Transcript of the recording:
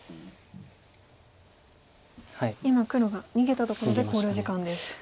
今黒が逃げたところで考慮時間です。